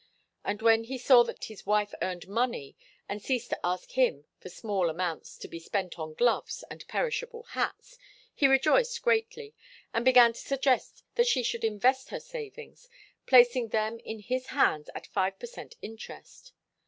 But when he saw that his wife earned money, and ceased to ask him for small sums to be spent on gloves and perishable hats, he rejoiced greatly, and began to suggest that she should invest her savings, placing them in his hands at five per cent interest.